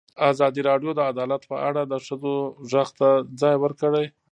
ازادي راډیو د عدالت په اړه د ښځو غږ ته ځای ورکړی.